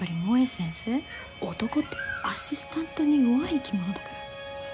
男ってアシスタントに弱い生き物だから。